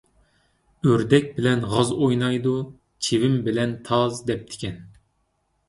«ئۆردەك بىلەن غاز ئوينايدۇ، چىۋىن بىلەن تاز» دەپتىكەن.